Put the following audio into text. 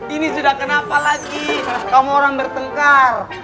ini sudah kenapa lagi kamu orang bertengkar